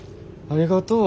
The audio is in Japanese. ありがとう。